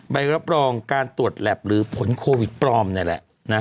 ใบรับรองการตรวจแล็บหรือผลโควิดปลอมนี่แหละ